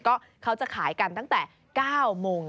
ก็เขาจะขายกันตั้งแต่๙โมง